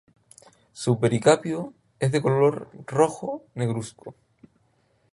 Su pericarpio es de color rojo negruzco.